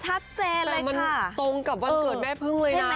ชัดมากแต่มันตรงกับวันเกิดแม่พึ่งเลยนะชัดเจนแหละค่ะ